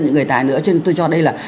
những người tài nữa cho nên tôi cho đây là